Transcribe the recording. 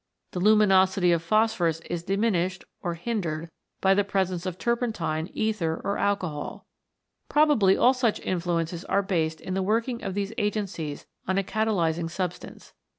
The luminosity of phosphorus is diminished or hindered by the presence of turpentine, ether, or alcohol. Prob ably all such influences are based in the working of these agencies on a catalysing substance.